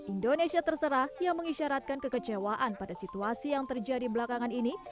indonesia terserah yang mengisyaratkan kekecewaan pada situasi yang terjadi belakangan ini